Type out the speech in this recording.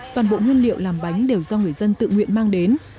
toàn bộ nguyên liệu làm bánh đều do người dân tự nguyện mang đến